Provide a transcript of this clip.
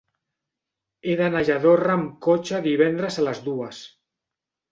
He d'anar a Lladorre amb cotxe divendres a les dues.